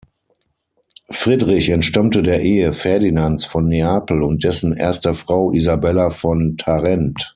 Friedrich entstammte der Ehe Ferdinands von Neapel und dessen erster Frau, Isabella von Tarent.